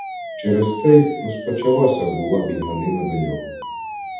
Через те й розпочалася була біганина до нього.